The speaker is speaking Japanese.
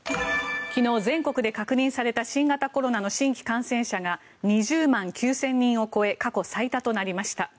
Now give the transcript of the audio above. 昨日全国で確認された新型コロナの新規感染者が２０万９０００人を超え過去最多となりました。